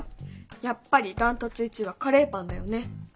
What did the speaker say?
やっぱり断トツ１位はカレーパンだよね。